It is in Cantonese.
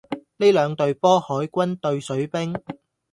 呢兩隊波海軍對水兵